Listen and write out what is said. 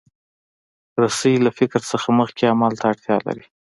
رسۍ له فکر نه مخکې عمل ته اړتیا لري.